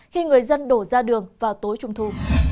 khi người dân đổ ra đường vào tối trung thu